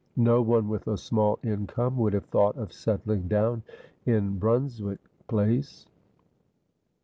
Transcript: No one with a small income would have thought of settling down in Brunswick Place.